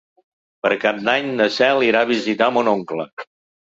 Per Cap d'Any na Cel irà a visitar mon oncle.